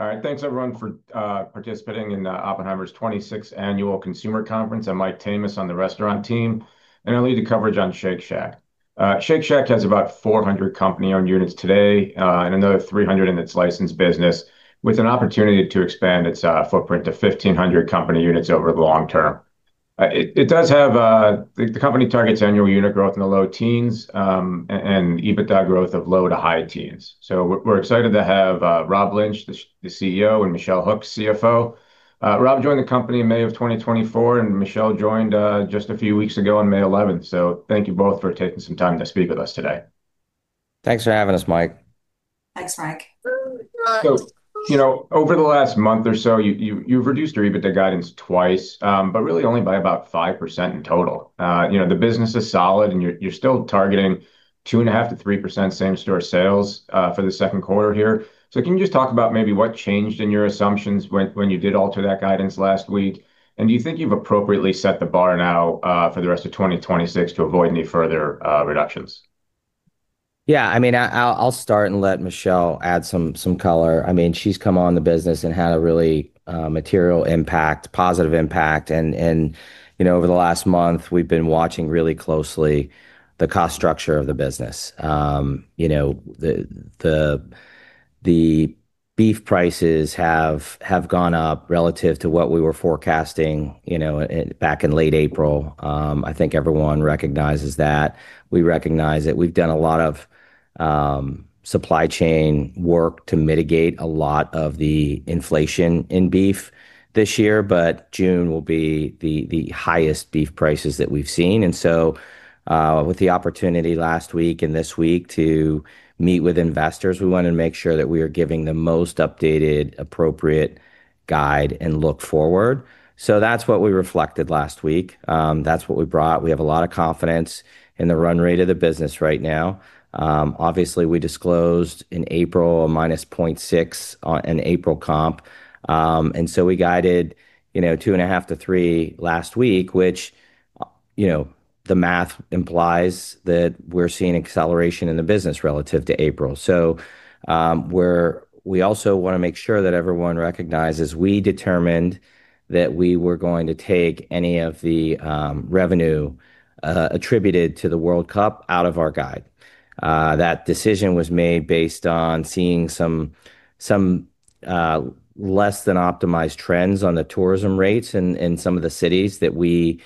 All right. Thanks, everyone, for participating in Oppenheimer's 26th Annual Consumer Conference. I'm Michael Tamas on the restaurant team, and I lead the coverage on Shake Shack. Shake Shack has about 400 company-owned units today and another 300 in its licensed business, with an opportunity to expand its footprint to 1,500 company units over the long term. The company targets annual unit growth in the low teens and EBITDA growth of low to high teens. We're excited to have Rob Lynch, the CEO, and Michelle Hook, CFO. Rob joined the company in May of 2024, and Michelle joined just a few weeks ago on May 11th. Thank you both for taking some time to speak with us today. Thanks for having us, Mike. Thanks, Mike. Over the last month or so, you've reduced your EBITDA guidance twice but really only by about 5% in total. The business is solid, and you're still targeting 2.5%-3% same-store sales for the second quarter here. Can you just talk about maybe what changed in your assumptions when you did alter that guidance last week? Do you think you've appropriately set the bar now for the rest of 2026 to avoid any further reductions? Yeah. I'll start and let Michelle add some color. She's come on the business and had a really material impact, positive impact. Over the last month, we've been watching really closely the cost structure of the business. The beef prices have gone up relative to what we were forecasting back in late April. I think everyone recognizes that. We recognize it. We've done a lot of supply chain work to mitigate a lot of the inflation in beef this year, but June will be the highest beef prices that we've seen. So with the opportunity last week and this week to meet with investors, we wanted to make sure that we are giving the most updated, appropriate guide and look forward. That's what we reflected last week. That's what we brought. We have a lot of confidence in the run rate of the business right now. Obviously, we disclosed in April a 0.6% on an April comp. So we guided 2.5%-3% last week, which the math implies that we're seeing acceleration in the business relative to April. We also want to make sure that everyone recognizes we determined that we were going to take any of the revenue attributed to the World Cup out of our guide. That decision was made based on seeing some less than optimized trends on the tourism rates in some of the cities that we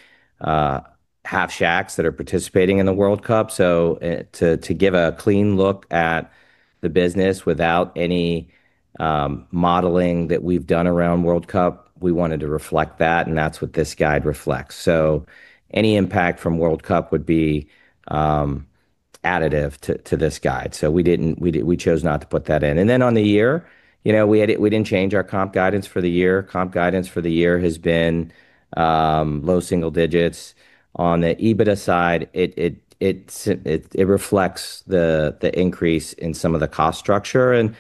have Shacks that are participating in the World Cup. To give a clean look at the business without any modeling that we've done around World Cup, we wanted to reflect that, and that's what this guide reflects. Any impact from World Cup would be additive to this guide. We chose not to put that in. On the year, we didn't change our comp guidance for the year. Comp guidance for the year has been low single digits. On the EBITDA side, it reflects the increase in some of the cost structure.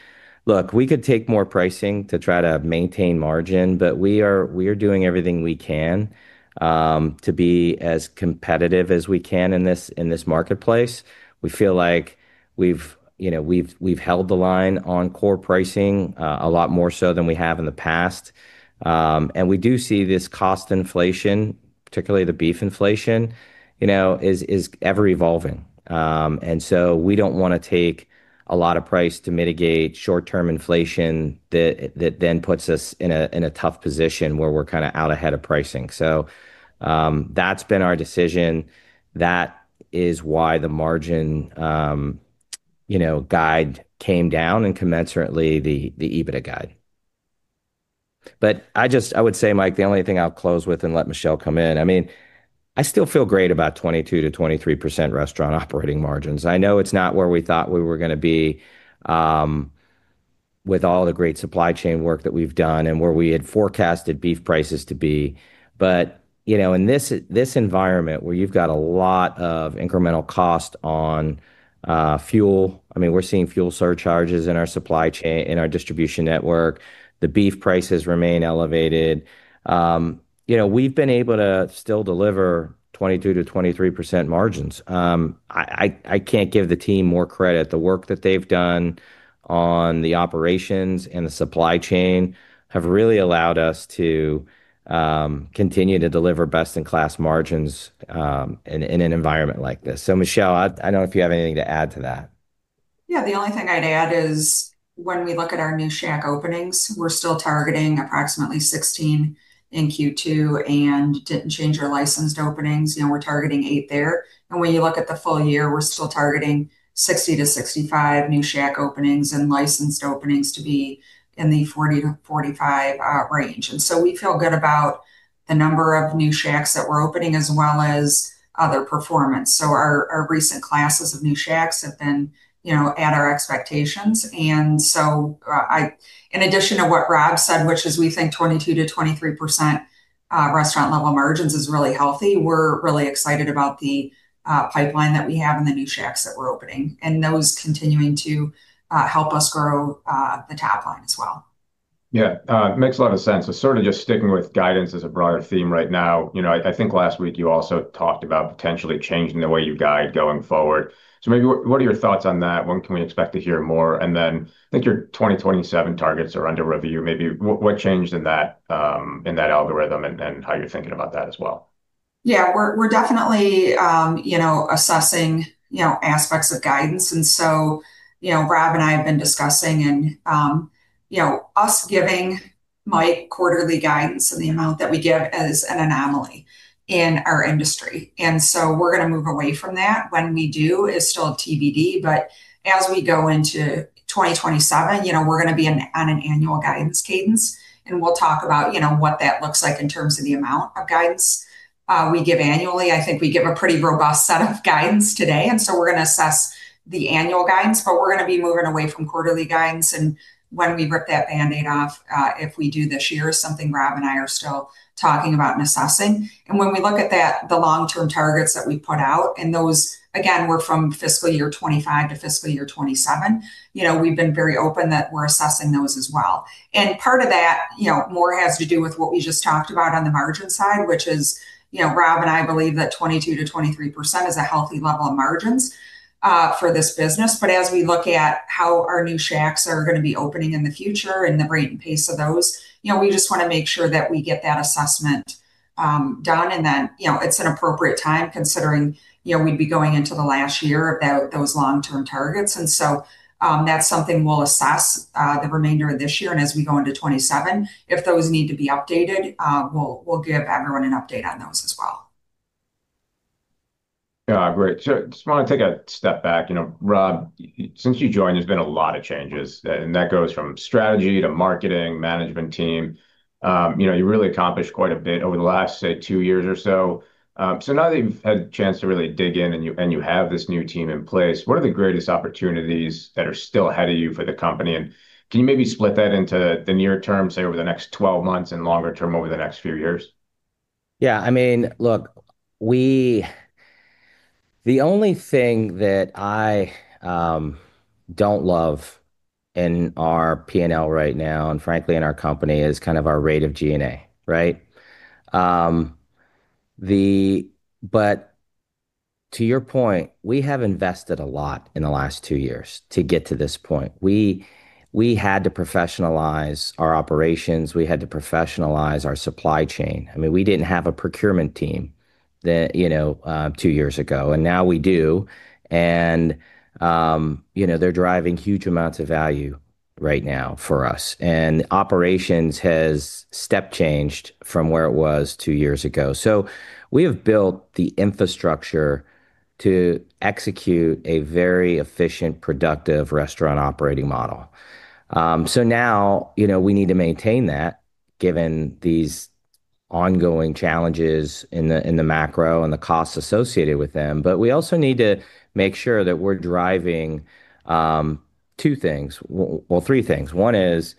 Look, we could take more pricing to try to maintain margin, we are doing everything we can to be as competitive as we can in this marketplace. We feel like we've held the line on core pricing a lot more so than we have in the past. We do see this cost inflation, particularly the beef inflation, is ever-evolving. So we don't want to take a lot of price to mitigate short-term inflation that then puts us in a tough position where we're out ahead of pricing. That's been our decision. That is why the margin guide came down and commensurately the EBITDA guide. I would say, Mike, the only thing I'll close with, and let Michelle come in, I still feel great about 22%-23% restaurant operating margins. I know it's not where we thought we were going to be with all the great supply chain work that we've done and where we had forecasted beef prices to be. In this environment, where you've got a lot of incremental cost on fuel, we're seeing fuel surcharges in our supply chain, in our distribution network. The beef prices remain elevated. We've been able to still deliver 22%-23% margins. I can't give the team more credit. The work that they've done on the operations and the supply chain have really allowed us to continue to deliver best-in-class margins in an environment like this. Michelle, I don't know if you have anything to add to that. The only thing I'd add is when we look at our new Shack openings, we're still targeting approximately 16 in Q2 and didn't change our licensed openings. We're targeting eight there. When you look at the full year, we're still targeting 60-65 new Shack openings and licensed openings to be in the 40-45 range. We feel good about the number of new Shacks that we're opening as well as other performance. Our recent classes of new Shacks have been at our expectations. In addition to what Rob said, which is we think 22%-23% restaurant level margins is really healthy, we're really excited about the pipeline that we have and the new Shacks that we're opening, and those continuing to help us grow the top line as well. Makes a lot of sense. Sort of just sticking with guidance as a broader theme right now. I think last week you also talked about potentially changing the way you guide going forward. What are your thoughts on that? When can we expect to hear more? I think your 2027 targets are under review. What changed in that algorithm and how you're thinking about that as well? We're definitely assessing aspects of guidance. Rob and I have been discussing and us giving Mike quarterly guidance and the amount that we give is an anomaly in our industry. We're going to move away from that. When we do is still TBD, but as we go into 2027, we're going to be on an annual guidance cadence, and we'll talk about what that looks like in terms of the amount of guidance we give annually. I think we give a pretty robust set of guidance today, so we're going to assess the annual guidance, but we're going to be moving away from quarterly guidance. When we rip that Band-Aid off, if we do this year, is something Rob and I are still talking about and assessing. When we look at the long-term targets that we put out, and those, again, were from fiscal year 2025 to fiscal year 2027. We've been very open that we're assessing those as well. Part of that more has to do with what we just talked about on the margin side, which is Rob and I believe that 22%-23% is a healthy level of margins for this business. But as we look at how our new Shacks are going to be opening in the future and the rate and pace of those, we just want to make sure that we get that assessment done and that it's an appropriate time, considering we'd be going into the last year of those long-term targets. That's something we'll assess the remainder of this year and as we go into 2027. If those need to be updated, we'll give everyone an update on those as well. Yeah. Great. I just want to take a step back. Rob, since you joined, there's been a lot of changes, and that goes from strategy to marketing, management team. You really accomplished quite a bit over the last, say, two years or so. Now that you've had a chance to really dig in and you have this new team in place, what are the greatest opportunities that are still ahead of you for the company? Can you maybe split that into the near term, say, over the next 12 months and longer term over the next few years? Yeah. Look, the only thing that I don't love in our P&L right now, and frankly, in our company, is kind of our rate of G&A, right? To your point, we have invested a lot in the last two years to get to this point. We had to professionalize our operations. We had to professionalize our supply chain. We didn't have a procurement team two years ago, and now we do. They're driving huge amounts of value right now for us, and operations has step changed from where it was two years ago. Now, we need to maintain that given these ongoing challenges in the macro and the costs associated with them. We also need to make sure that we're driving two things, well, three things. One is,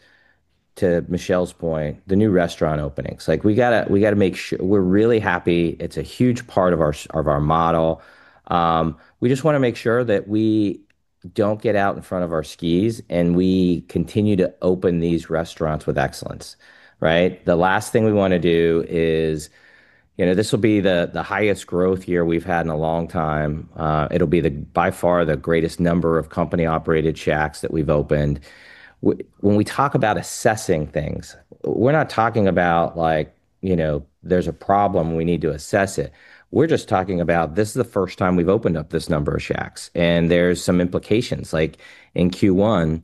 to Michelle's point, the new restaurant openings. We're really happy. It's a huge part of our model. We just want to make sure that we don't get out in front of our skis, and we continue to open these restaurants with excellence. Right? The last thing we want to do is, this will be the highest growth year we've had in a long time. It'll be by far the greatest number of company-operated Shacks that we've opened. When we talk about assessing things, we're not talking about there's a problem, we need to assess it. We're just talking about this is the first time we've opened up this number of Shacks, and there's some implications. Like in Q1,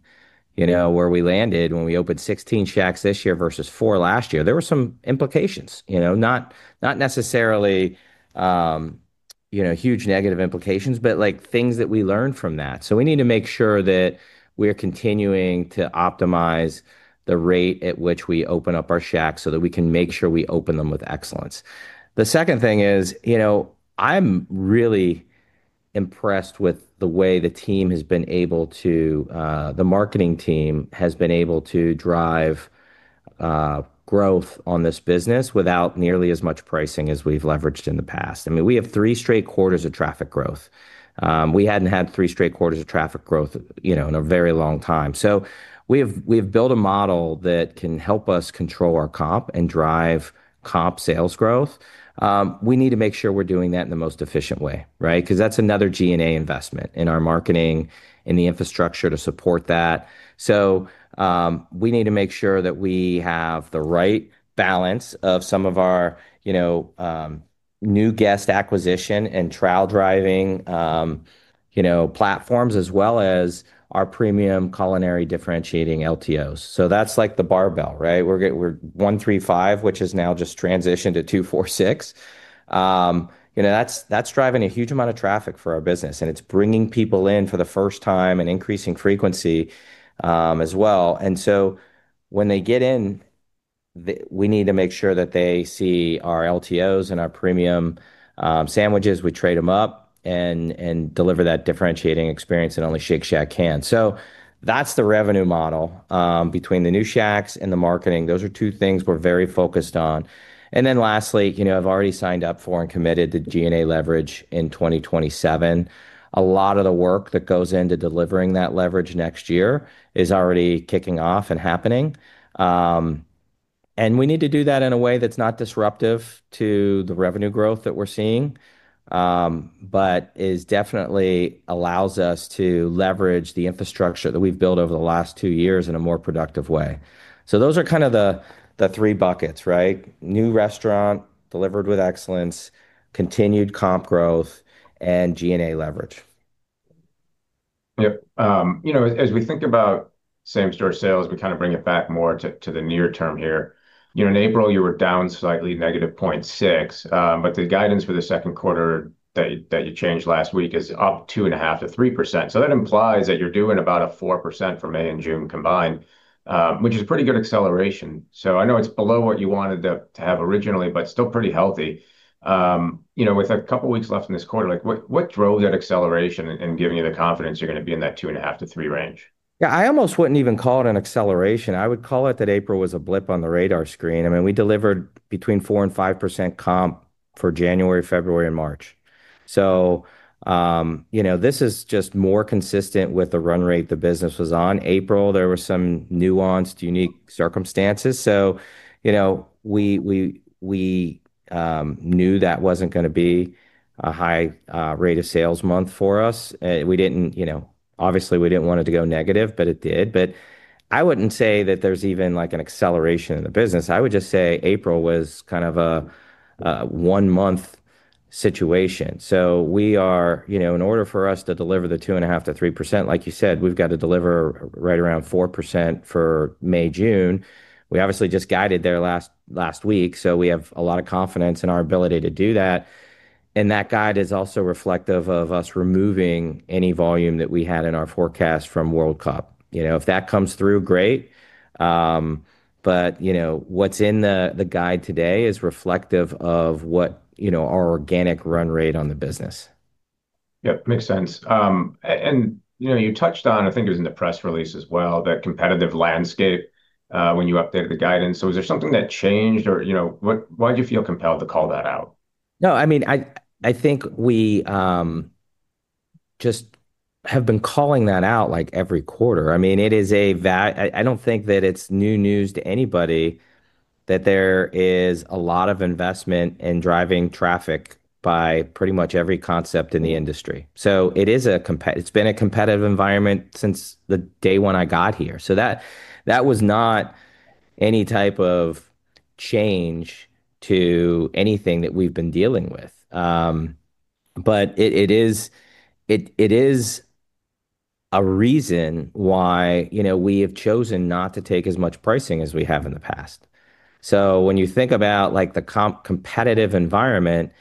where we landed when we opened 16 Shacks this year versus four last year, there were some implications. Not necessarily huge negative implications, but things that we learned from that. We need to make sure that we're continuing to optimize the rate at which we open up our Shacks so that we can make sure we open them with excellence. The second thing is, I'm really impressed with the way the marketing team has been able to drive growth on this business without nearly as much pricing as we've leveraged in the past. We have three straight quarters of traffic growth. We hadn't had three straight quarters of traffic growth in a very long time. We have built a model that can help us control our comp and drive comp sales growth. We need to make sure we're doing that in the most efficient way, right? Because that's another G&A investment in our marketing and the infrastructure to support that. We need to make sure that we have the right balance of some of our new guest acquisition and trial-driving platforms, as well as our premium culinary differentiating LTOs. That's like the barbell, right? We're 135, which has now just transitioned to 246. That's driving a huge amount of traffic for our business, and it's bringing people in for the first time and increasing frequency as well. When they get in, we need to make sure that they see our LTOs and our premium sandwiches. We trade them up and deliver that differentiating experience that only Shake Shack can. That's the revenue model between the new Shacks and the marketing. Those are two things we're very focused on. Lastly, I've already signed up for and committed to G&A leverage in 2027. A lot of the work that goes into delivering that leverage next year is already kicking off and happening. And we need to do that in a way that's not disruptive to the revenue growth that we're seeing, but definitely allows us to leverage the infrastructure that we've built over the last two years in a more productive way. Those are kind of the three buckets, right? New restaurant delivered with excellence, continued comp growth, and G&A leverage. Yep. As we think about same-store sales, we kind of bring it back more to the near term here. In April, you were down slightly -0.6, but the guidance for the second quarter that you changed last week is up 2.5%-3%. That implies that you're doing about a 4% for May and June combined, which is pretty good acceleration. I know it's below what you wanted to have originally, but still pretty healthy. With a couple of weeks left in this quarter, what drove that acceleration and giving you the confidence you're going to be in that two and a half to three range? I almost wouldn't even call it an acceleration. I would call it that April was a blip on the radar screen. I mean, we delivered between 4% and 5% comp for January, February, and March. This is just more consistent with the run rate the business was on. April, there were some nuanced, unique circumstances. We knew that wasn't going to be a high rate of sales month for us. Obviously we didn't want it to go negative, but it did. I wouldn't say that there's even an acceleration in the business. I would just say April was kind of a one-month situation. In order for us to deliver the 2.5% to 3%, like you said, we've got to deliver right around 4% for May, June. We obviously just guided there last week, we have a lot of confidence in our ability to do that. That guide is also reflective of us removing any volume that we had in our forecast from World Cup. If that comes through, great. What's in the guide today is reflective of our organic run rate on the business. Yep, makes sense. You touched on, I think it was in the press release as well, that competitive landscape, when you updated the guidance. Was there something that changed or why'd you feel compelled to call that out? No, I think we just have been calling that out every quarter. I don't think that it's new news to anybody that there is a lot of investment in driving traffic by pretty much every concept in the industry. It's been a competitive environment since the day one I got here. That was not any type of change to anything that we've been dealing with. It is a reason why we have chosen not to take as much pricing as we have in the past. When you think about the competitive environment,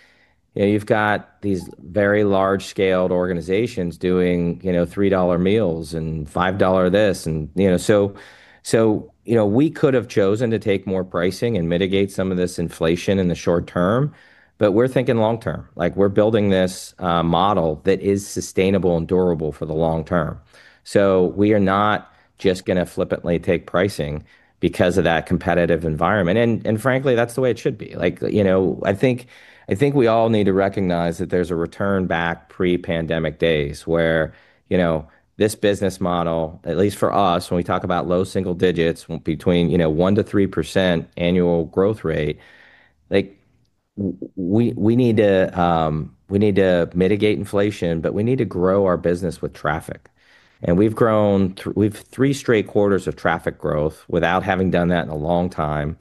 you've got these very large-scaled organizations doing $3 meals and $5 this. We could have chosen to take more pricing and mitigate some of this inflation in the short term, but we're thinking long term. We're building this model that is sustainable and durable for the long term. We are not just going to flippantly take pricing because of that competitive environment. Frankly, that's the way it should be. I think we all need to recognize that there's a return back pre-pandemic days where this business model, at least for us, when we talk about low single digits between 1%-3% annual growth rate, we need to mitigate inflation, but we need to grow our business with traffic. We've three straight quarters of traffic growth without having done that in a long time.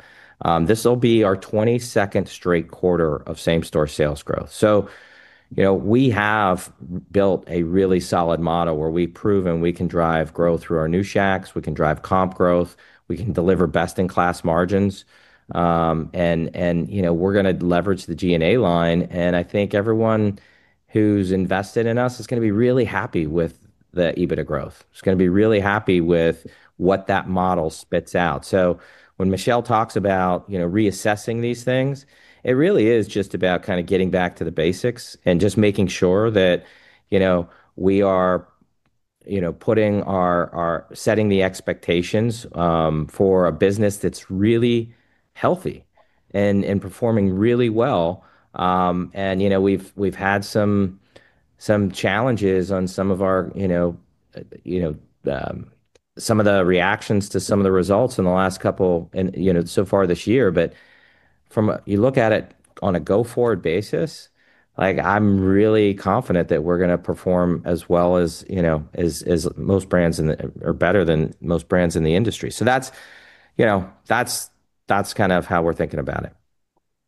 This'll be our 22nd straight quarter of same-store sales growth. We have built a really solid model where we've proven we can drive growth through our new Shacks, we can drive comp growth, we can deliver best-in-class margins, and we're going to leverage the G&A line. I think everyone who's invested in us is going to be really happy with the EBITDA growth and is going to be really happy with what that model spits out. When Michelle talks about reassessing these things, it really is just about kind of getting back to the basics and just making sure that we are setting the expectations for a business that's really healthy and performing really well. We've had some challenges on some of the reactions to some of the results in the last couple, so far this year. You look at it on a go-forward basis, I'm really confident that we're going to perform as well as most brands, or better than most brands in the industry. That's kind of how we're thinking about it.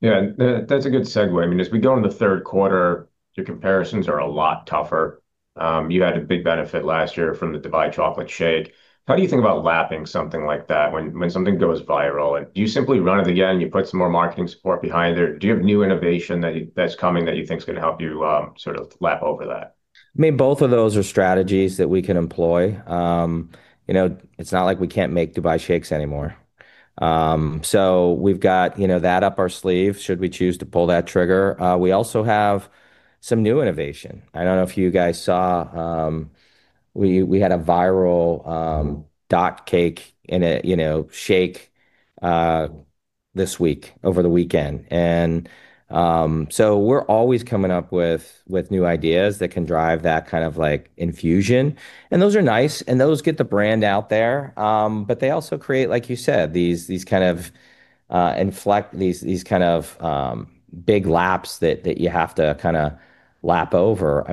Yeah. That's a good segue. As we go into the third quarter, your comparisons are a lot tougher. You had a big benefit last year from the Dubai Chocolate Shake. How do you think about lapping something like that when something goes viral? Do you simply run it again, you put some more marketing support behind it, or do you have new innovation that's coming that you think is going to help you sort of lap over that? Both of those are strategies that we can employ. It's not like we can't make Dubai shakes anymore. We've got that up our sleeve should we choose to pull that trigger. We also have some new innovation. I don't know if you guys saw, we had a viral Bundt Cake Shake this week, over the weekend. We're always coming up with new ideas that can drive that kind of infusion. Those are nice, and those get the brand out there. They also create, like you said, these kind of inflect, these kind of big laps that you have to kind of lap over.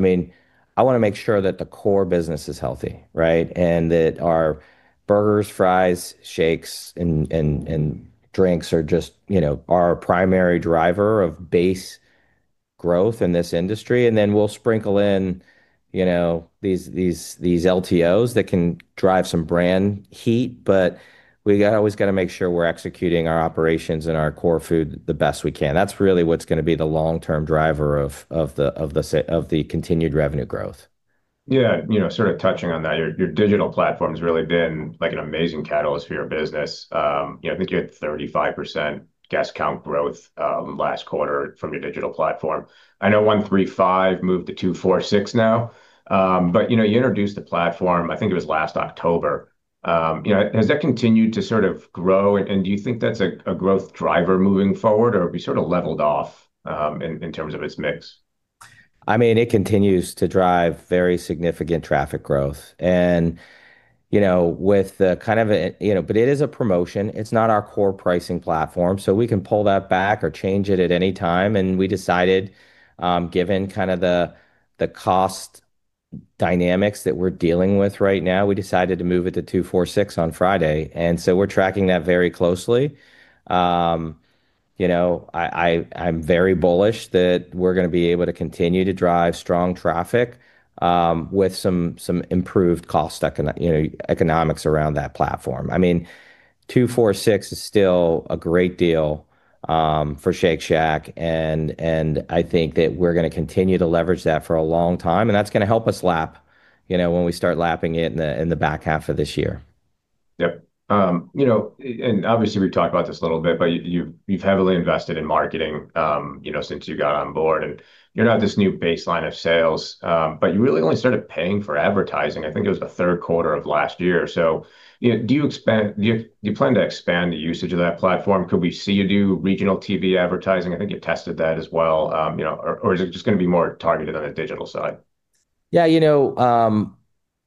I want to make sure that the core business is healthy, right? That our burgers, fries, shakes, and drinks are just our primary driver of base growth in this industry. We'll sprinkle in these LTOs that can drive some brand heat. We always got to make sure we're executing our operations and our core food the best we can. That's really what's going to be the long-term driver of the continued revenue growth. Yeah. Sort of touching on that, your digital platform's really been an amazing catalyst for your business. I think you had 35% guest count growth last quarter from your digital platform. I know 135 moved to 246 now. You introduced the platform, I think it was last October. Has that continued to sort of grow, and do you think that's a growth driver moving forward, or have you sort of leveled off in terms of its mix? It continues to drive very significant traffic growth. It is a promotion, it's not our core pricing platform, so we can pull that back or change it at any time. We decided, given the cost dynamics that we're dealing with right now, we decided to move it to 246 on Friday. We're tracking that very closely. I'm very bullish that we're going to be able to continue to drive strong traffic with some improved cost economics around that platform. 246 is still a great deal for Shake Shack, and I think that we're going to continue to leverage that for a long time, and that's going to help us lap when we start lapping it in the back half of this year. Yep. Obviously we've talked about this a little bit, but you've heavily invested in marketing since you got on board, and you're at this new baseline of sales. You really only started paying for advertising, I think it was the third quarter of last year. Do you plan to expand the usage of that platform? Could we see you do regional TV advertising? I think you've tested that as well. Is it just going to be more targeted on the digital side? Yeah.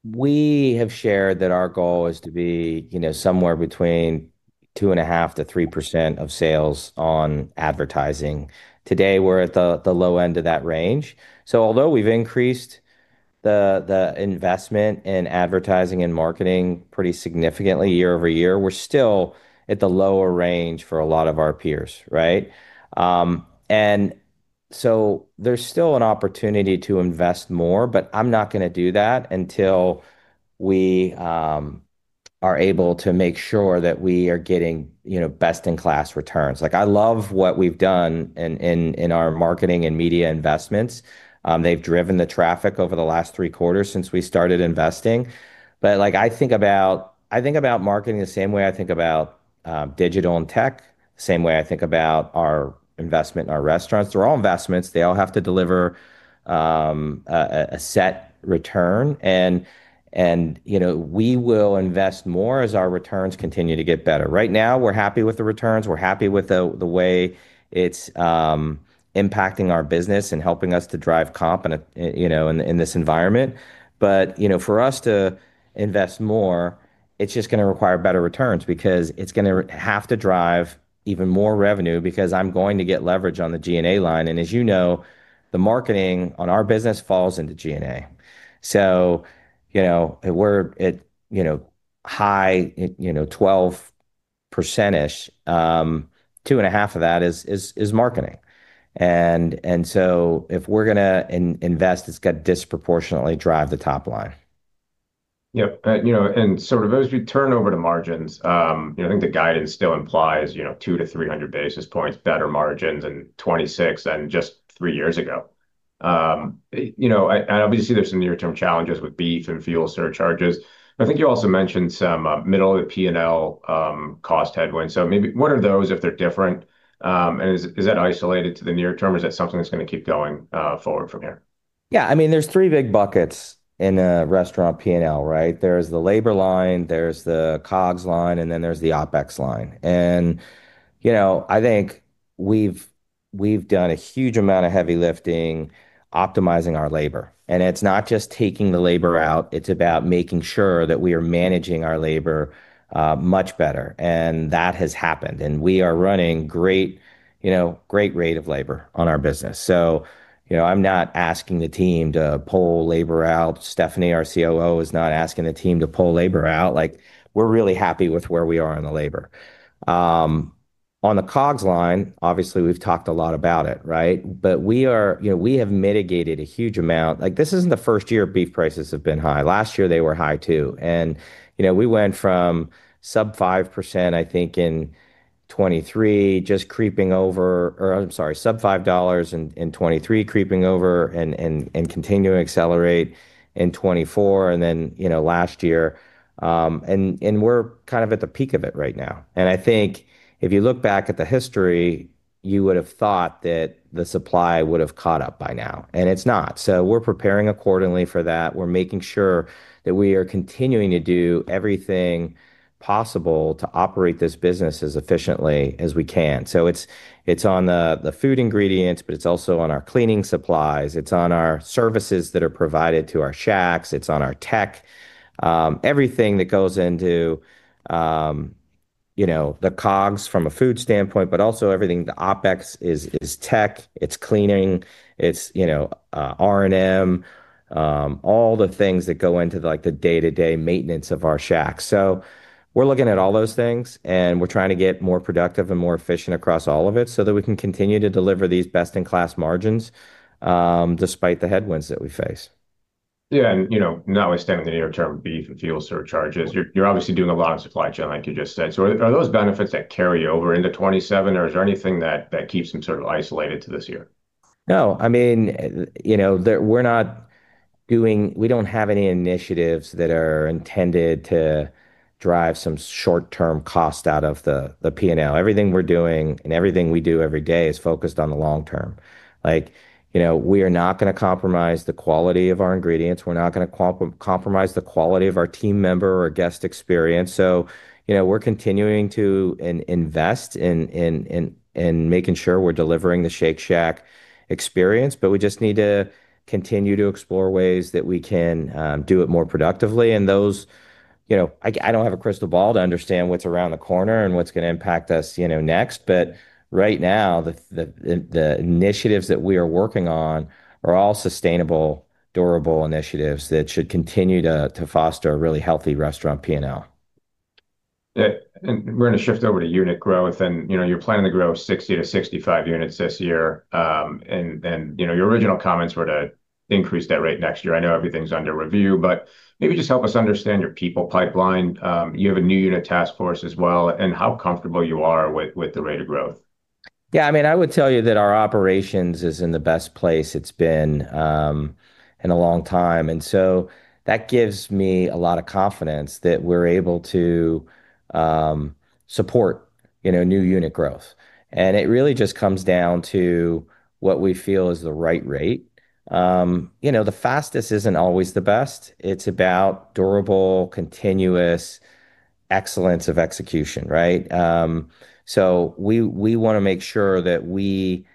We have shared that our goal is to be somewhere between 2.5%-3% of sales on advertising. Today, we're at the low end of that range. Although we've increased the investment in advertising and marketing pretty significantly year-over-year, we're still at the lower range for a lot of our peers, right? There's still an opportunity to invest more, but I'm not going to do that until we are able to make sure that we are getting best-in-class returns. I love what we've done in our marketing and media investments. They've driven the traffic over the last three quarters since we started investing. I think about marketing the same way I think about digital and tech, the same way I think about our investment in our restaurants. They're all investments. They all have to deliver a set return, we will invest more as our returns continue to get better. Right now, we're happy with the returns, we're happy with the way it's impacting our business and helping us to drive comp in this environment. For us to invest more, it's just going to require better returns because it's going to have to drive even more revenue because I'm going to get leverage on the G&A line. As you know, the marketing on our business falls into G&A. We're at high 12%-ish. Two and a half of that is marketing. If we're going to invest, it's got to disproportionately drive the top line. Yep. As we turn over to margins, I think the guidance still implies 200-300 basis points better margins in 2026 than just three years ago. Obviously there's some near-term challenges with beef and fuel surcharges. I think you also mentioned some middle-of-the-P&L cost headwinds. Maybe what are those, if they're different, and is that isolated to the near term? Is that something that's going to keep going forward from here? Yeah. There's three big buckets in a restaurant P&L, right? There's the labor line, there's the COGS line, there's the OpEx line. I think we've done a huge amount of heavy lifting optimizing our labor. It's not just taking the labor out, it's about making sure that we are managing our labor much better. That has happened, we are running great rate of labor on our business. I'm not asking the team to pull labor out. Stephanie, our COO, is not asking the team to pull labor out. We're really happy with where we are on the labor. On the COGS line, obviously, we've talked a lot about it, right? We have mitigated a huge amount. This isn't the first year beef prices have been high. Last year they were high, too. We went from sub 5% I think in 2023, just creeping over I'm sorry, sub $5 in 2023 creeping over and continuing to accelerate in 2024 last year. We're kind of at the peak of it right now. I think if you look back at the history, you would've thought that the supply would've caught up by now, and it's not. We're preparing accordingly for that. We're making sure that we are continuing to do everything possible to operate this business as efficiently as we can. It's on the food ingredients, but it's also on our cleaning supplies. It's on our services that are provided to our Shacks. It's on our tech. Everything that goes into the COGS from a food standpoint, but also everything, the OpEx is tech, it's cleaning, it's R&M, all the things that go into the day-to-day maintenance of our Shacks. We're looking at all those things, and we're trying to get more productive and more efficient across all of it so that we can continue to deliver these best-in-class margins, despite the headwinds that we face. Yeah. Not withstanding the near-term beef and fuel surcharges, you're obviously doing a lot of supply chain, like you just said. Are those benefits that carry over into 2027, or is there anything that keeps them sort of isolated to this year? No. We don't have any initiatives that are intended to drive some short-term cost out of the P&L. Everything we're doing and everything we do every day is focused on the long term. We are not going to compromise the quality of our ingredients. We're not going to compromise the quality of our team member or guest experience. We're continuing to invest in making sure we're delivering the Shake Shack experience, but we just need to continue to explore ways that we can do it more productively. I don't have a crystal ball to understand what's around the corner and what's going to impact us next, but right now, the initiatives that we are working on are all sustainable, durable initiatives that should continue to foster a really healthy restaurant P&L. Yeah. We're going to shift over to unit growth. You're planning to grow 60-65 units this year. Your original comments were to increase that rate next year. I know everything's under review, maybe just help us understand your people pipeline. You have a new unit task force as well, how comfortable you are with the rate of growth. Yeah. I would tell you that our operations is in the best place it's been in a long time. That gives me a lot of confidence that we're able to support new unit growth. It really just comes down to what we feel is the right rate. The fastest isn't always the best. It's about durable, continuous excellence of execution, right? We want to make sure that we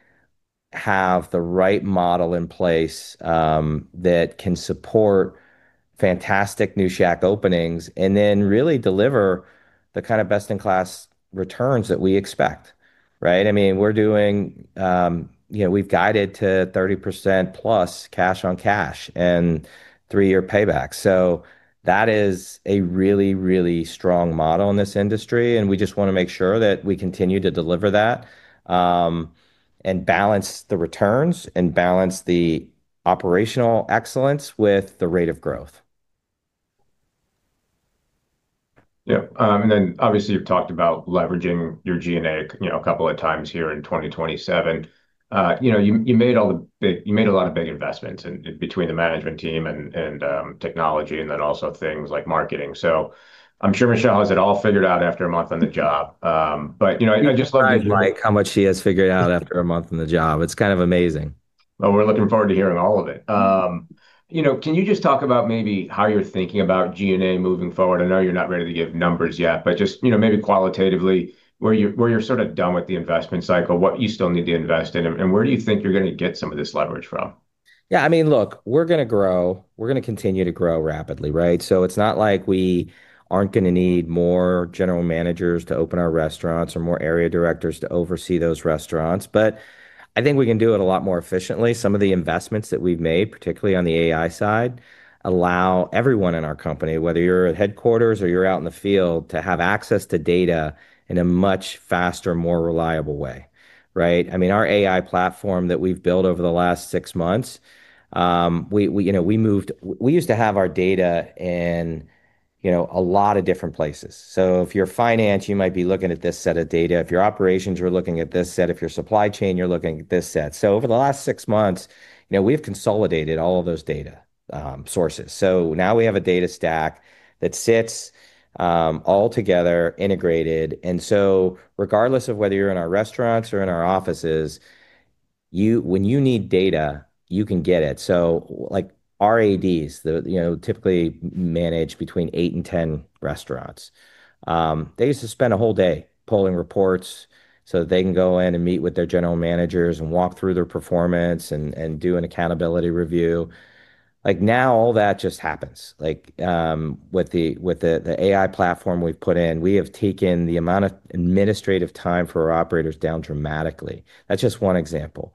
have the right model in place that can support fantastic new Shack openings, then really deliver the kind of best-in-class returns that we expect, right? We've guided to 30%+ cash on cash and three-year payback. That is a really, really strong model in this industry, we just want to make sure that we continue to deliver that, and balance the returns and balance the operational excellence with the rate of growth. Yep. Obviously you've talked about leveraging your G&A a couple of times here in 2027. You made a lot of big investments in between the management team and technology, then also things like marketing. I'm sure Michelle has it all figured out after a month on the job. I'd just love to hear. You'd be surprised, Mike, how much she has figured out after a month on the job. It's kind of amazing. We're looking forward to hearing all of it. Can you just talk about maybe how you're thinking about G&A moving forward? I know you're not ready to give numbers yet, but just maybe qualitatively where you're sort of done with the investment cycle, what you still need to invest in, and where do you think you're going to get some of this leverage from? We're going to continue to grow rapidly, right? It's not like we aren't going to need more general managers to open our restaurants or more area directors to oversee those restaurants, but I think we can do it a lot more efficiently. Some of the investments that we've made, particularly on the AI side, allow everyone in our company, whether you're at headquarters or you're out in the field, to have access to data in a much faster, more reliable way. Right? Our AI platform that we've built over the last six months, we used to have our data in a lot of different places. If you're finance, you might be looking at this set of data. If you're operations, you're looking at this set. If you're supply chain, you're looking at this set. Over the last six months, we've consolidated all of those data sources. Now we have a data stack that sits all together, integrated, and regardless of whether you're in our restaurants or in our offices, when you need data, you can get it. Our ADs typically manage between eight and 10 restaurants. They used to spend a whole day pulling reports so that they can go in and meet with their general managers and walk through their performance and do an accountability review. Now all that just happens. With the AI platform we've put in, we have taken the amount of administrative time for our operators down dramatically. That's just one example.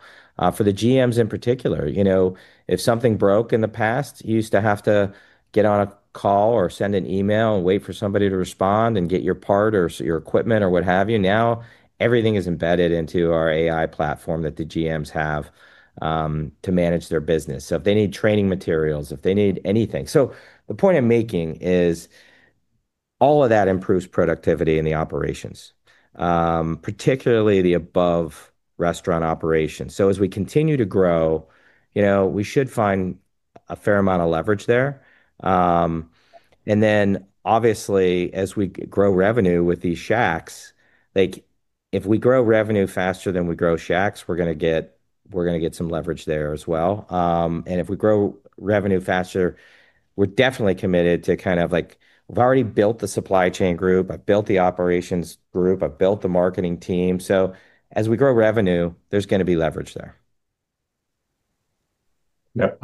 For the GMs in particular, if something broke in the past, you used to have to get on a call or send an email and wait for somebody to respond and get your part or your equipment or what have you. Now everything is embedded into our AI platform that the GMs have to manage their business. If they need training materials, if they need anything. The point I'm making is all of that improves productivity in the operations, particularly the above restaurant operations. As we continue to grow, we should find a fair amount of leverage there. Obviously as we grow revenue with these Shacks, if we grow revenue faster than we grow Shacks, we're going to get some leverage there as well. If we grow revenue faster, we're definitely committed to we've already built the supply chain group, I've built the operations group, I've built the marketing team. As we grow revenue, there's going to be leverage there. Yep.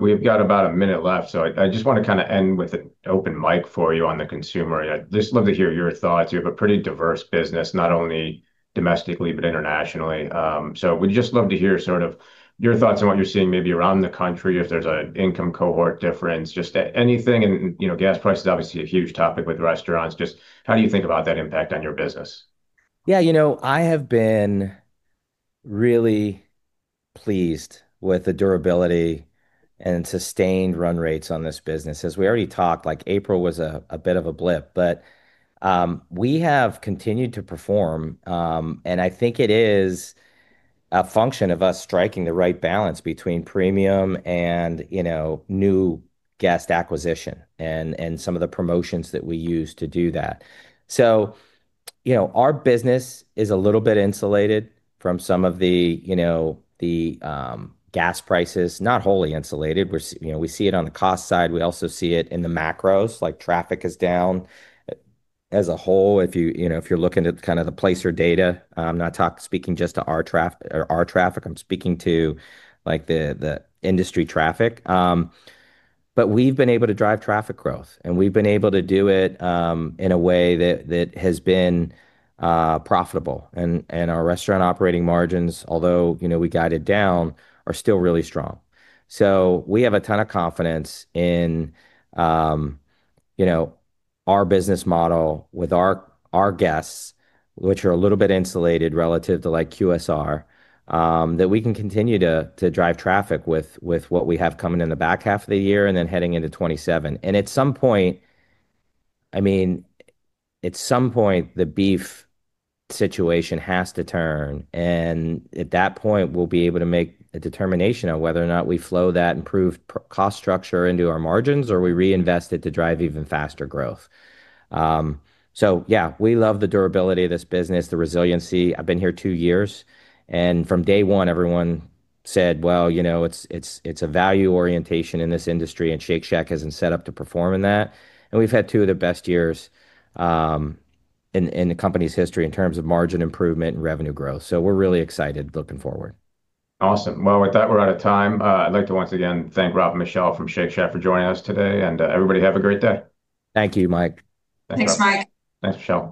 We've got about a minute left, I just want to end with an open mic for you on the consumer. I'd just love to hear your thoughts. You have a pretty diverse business, not only domestically, but internationally. We'd just love to hear sort of your thoughts on what you're seeing maybe around the country, if there's an income cohort difference, just anything. Gas price is obviously a huge topic with restaurants. Just how do you think about that impact on your business? Yeah. I have been really pleased with the durability and sustained run rates on this business. We already talked, April was a bit of a blip, we have continued to perform, I think it is a function of us striking the right balance between premium and new guest acquisition some of the promotions that we use to do that. Our business is a little bit insulated from some of the gas prices. Not wholly insulated. We see it on the cost side. We also see it in the macros, traffic is down as a whole if you're looking at the Placer.ai data. I'm not speaking just to our traffic, I'm speaking to the industry traffic. We've been able to drive traffic growth, we've been able to do it in a way that has been profitable. Our restaurant operating margins, although we got it down, are still really strong. We have a ton of confidence in our business model with our guests, which are a little bit insulated relative to QSR, that we can continue to drive traffic with what we have coming in the back half of the year heading into 2027. At some point, the beef situation has to turn, at that point, we'll be able to make a determination on whether or not we flow that improved cost structure into our margins, we reinvest it to drive even faster growth. Yeah, we love the durability of this business, the resiliency. I've been here two years, from day one, everyone said, "Well, it's a value orientation in this industry, and Shake Shack isn't set up to perform in that." We've had two of the best years in the company's history in terms of margin improvement and revenue growth. We're really excited looking forward. Awesome. Well, with that, we're out of time. I'd like to once again thank Rob and Michelle from Shake Shack for joining us today, everybody have a great day. Thank you, Mike. Thanks, Mike. Thanks, Michelle.